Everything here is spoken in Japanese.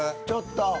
ちょっと。